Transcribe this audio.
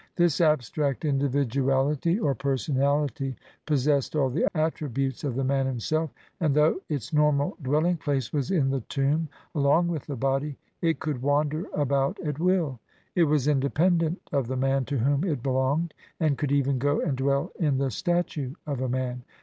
This abstract individuality or personality possessed all the attributes of the man himself, and, though its normal dwelling place was in the tomb along with the body, it could wander about at will ; it was independent of the man to whom it belonged and could even go and dwell in the statue of a man.